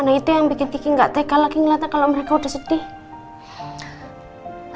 nah itu yang bikin ticky gak tega lagi ngeliatnya kalau mereka udah sedih